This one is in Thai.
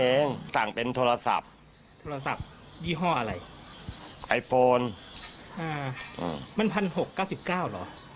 ยังมันสั่งเป็นโทรศัพท์ยี่ห้ออะไรไอโฟนมันพันหกเก้าสิบเก้าเหรอ